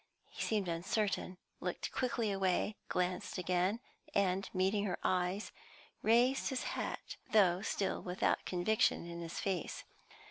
He seemed uncertain; looked quickly away; glanced again, and, meeting her eyes, raised his hat, though still without conviction in his face.